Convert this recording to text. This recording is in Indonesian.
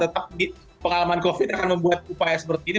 tetapi pengalaman covid akan membuat upaya seperti ini